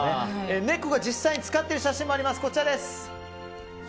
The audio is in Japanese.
猫が実際に使っている写真もあります。